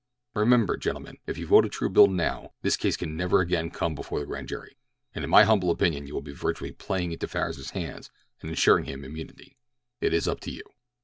"Remember, gentlemen, if you vote a true bill now, this case can never again come before the grand jury, and in my humble opinion you will be virtually playing into Farris's hands and insuring him immunity. It is up to you."